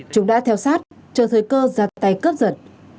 chúng đã theo sát cho thấy cơ ra tay cướp rật